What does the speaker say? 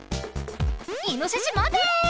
イノシシまて！